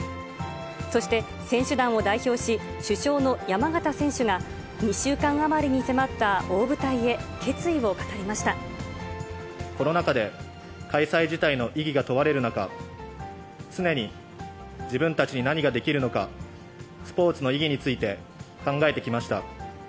そして、選手団を代表し、主将の山縣選手が、２週間余りに迫った大舞台へ、コロナ禍で開催自体の意義が問われる中、常に自分たちに何ができるのか、スポーツの意義について考えてきました。